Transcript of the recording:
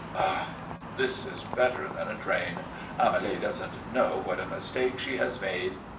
"Ah, this is better than a train. Amélie doesn't know what a mistake she has made!"